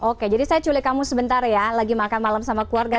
oke jadi saya culik kamu sebentar ya lagi makan malam sama keluarga